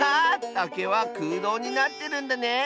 たけはくうどうになってるんだね！